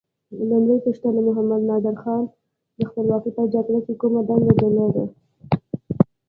لومړۍ پوښتنه: محمد نادر خان د خپلواکۍ په جګړه کې کومه دنده درلوده؟